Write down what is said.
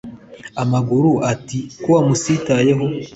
amaguru ati kuki wamusitayeho